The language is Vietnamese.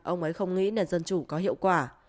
ông ấy không nghĩ nền dân chủ có hiệu quả